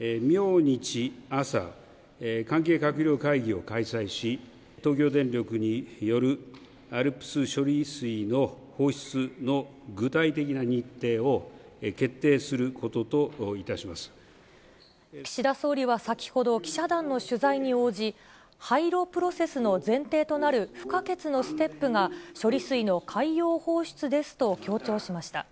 明日朝、関係閣僚会議を開催し、東京電力によるＡＬＰＳ処理水の放出の具体的な日程を決定するこ岸田総理は先ほど、記者団の取材に応じ、廃炉プロセスの前提となる不可欠のステップが、処理水の海洋放出ですと強調しました。